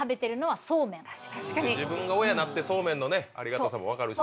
自分が親になってそうめんのありがたさも分かる。